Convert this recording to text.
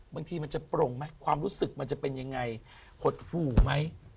บางทีมันจะโปร่งไหมความรู้สึกมันจะเป็นยังไงหดหู่ไหม